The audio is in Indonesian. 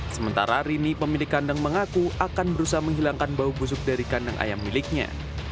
sementara rini pemilik kandang mengaku akan berusaha menghilangkan bau busuk dari kandang ayam miliknya